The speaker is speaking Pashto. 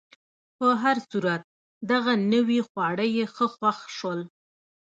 په هر صورت، دغه نوي خواړه یې ښه خوښ شول.